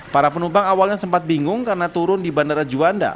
para penumpang awalnya sempat bingung karena turun di bandara juanda